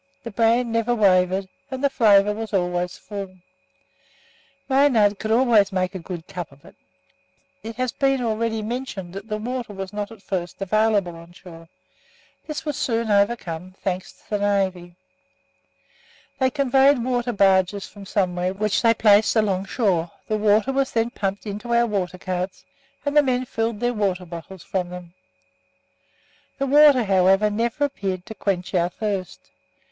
The brand never wavered, and the flavour was always full. Maynard could always make a good cup of it. It has been already mentioned that water was not at first available on shore. This was soon overcome, thanks to the Navy. They convoyed water barges from somewhere, which they placed along shore; the water was then pumped into our water carts, and the men filled their water bottles from them. The water, however, never appeared to quench our thirst.